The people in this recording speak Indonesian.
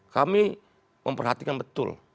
kami memperhatikan betul